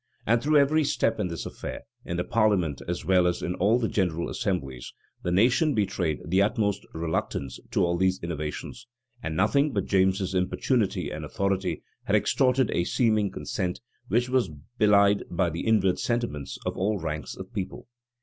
And through every step in this affair, in the parliament as well as in all the general assemblies, the nation betrayed the utmost reluctance to all these innovations, and nothing but James's importunity and authority had extorted a seeming consent, which was belied by the inward sentiments of all ranks of people.